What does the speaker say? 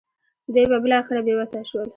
دوی به بالاخره بې وسه شول.